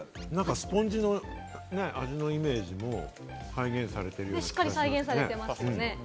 スポンジの味のイメージも再現されているような気がしますね。